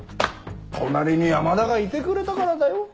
隣に山田がいてくれたからだよ。